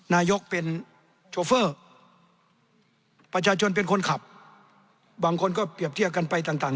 นายกเป็นโชเฟอร์ประชาชนเป็นคนขับบางคนก็เปรียบเทียบกันไปต่าง